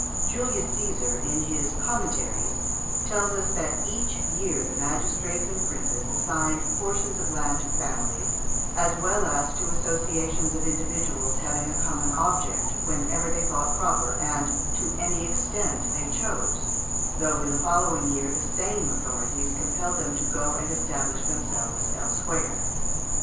Julius Cæsar, in his "Commentaries," tells us that "each year the magistrates and princes assigned portions of land to families as well as to associations of individuals having a common object whenever they thought proper, and to any extent they chose, though in the following year the same authorities compelled them to go and establish themselves elsewhere."